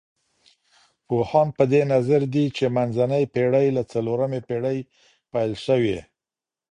پوهان په دې نظر دي چي منځنۍ پېړۍ له څلورمې پېړۍ پيل سوې.